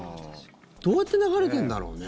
どうやって流れてるんだろうね。